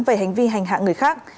về hành vi hành hạ người khác